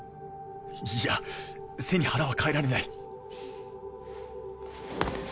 いや背に腹は代えられない